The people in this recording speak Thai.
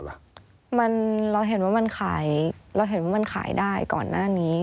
เราเห็นว่ามันขายก่อนหน้านี้